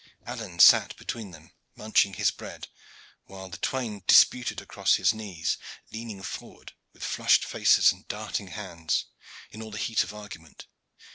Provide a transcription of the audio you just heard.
Alleyne sat between them munching his bread, while the twain disputed across his knees, leaning forward with flushed faces and darting hands, in all the heat of argument.